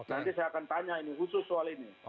nanti saya akan tanya ini khusus soal ini